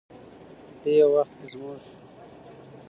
دې وخت کې زموږ